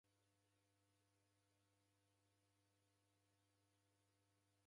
Mwatulituli wapo wasia modo.